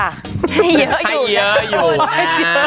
ให้เยอะอยู่นะ